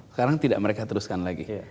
sekarang tidak mereka teruskan lagi